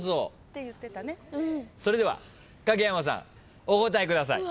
それでは影山さんお答えください。